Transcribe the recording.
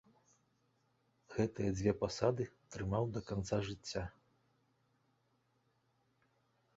Гэтыя дзве пасады трымаў да канца жыцця.